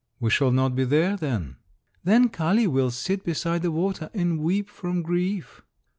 '" "We shall not be there then." "Then Kali will sit beside the water and weep from grief."